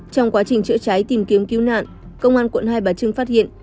trong quá trình chữa cháy tìm kiếm cứu nạn công an quận hai bà trưng phát hiện